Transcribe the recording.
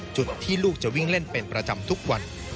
จุดที่ลูกจะวิ่งเล่นเป็นประจำทุกวัน